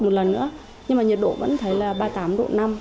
một lần nữa nhưng mà nhiệt độ vẫn thấy là ba mươi tám độ năm